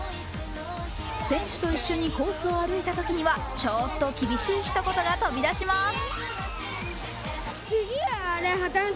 選手と一緒にコースを歩いたときには、ちょっと厳しいひと言が飛び出します。